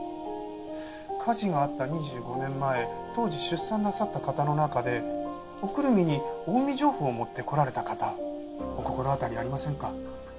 火事があった２５年前当時出産なさった方の中でおくるみに近江上布を持ってこられた方お心当たりありませんか？